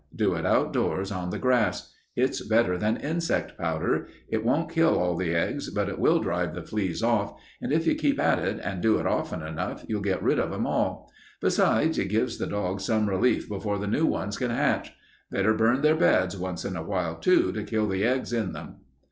Do it outdoors on the grass. It's better than insect powder. It won't kill all the eggs, but it will drive the fleas off, and if you keep at it, and do it often enough, you'll get rid of 'em all. Besides, it gives the dogs some relief before the new ones can hatch. Better burn their beds once in awhile, too, to kill the eggs in 'em."